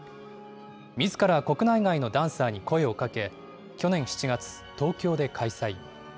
みずから国内外のダンサーに声をかけ、去年７月、東京で開催。